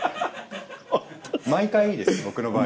毎回です僕の場合。